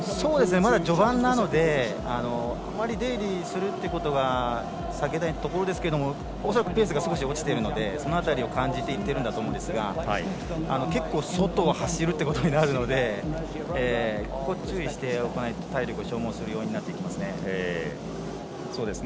まだ序盤なのであまり出入りするということは避けたいところですけど恐らくペースが少し落ちてるのでその辺りを感じていっているんだと思いますが結構、外を走るということになるのでここ注意しておかないと体力を消耗するようになりますね。